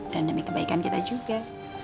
dan demi kebaikan kita juga